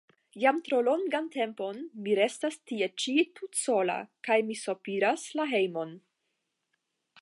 Jam tro longan tempon mi restas tie ĉi tutsola, kaj mi sopiras la hejmon.